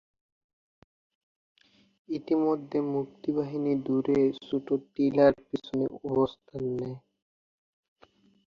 ইতিমধ্যে মুক্তিবাহিনী দূরে ছোট টিলার পিছনে অবস্থান নেয়।